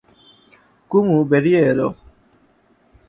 কুমু বেরিয়ে এল।